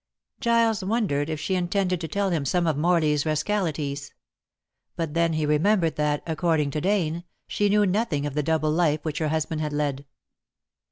Giles wondered if she intended to tell him some of Morley's rascalities. But then he remembered that, according to Dane, she knew nothing of the double life which her husband had led.